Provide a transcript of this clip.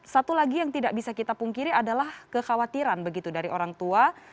satu lagi yang tidak bisa kita pungkiri adalah kekhawatiran begitu dari orang tua